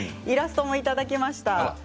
イラストもいただきました。